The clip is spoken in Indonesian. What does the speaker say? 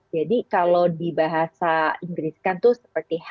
jadi kalau di bahasa inggris kan itu seperti health care